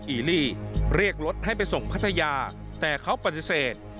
อีลี่เรียกรถให้ไปส่งพัทยาแต่เขาปฏิเสธ